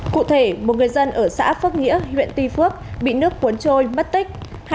cụ thể một người dân ở xã phước nghĩa huyện tuy phước bị nước cuốn trôi mất tích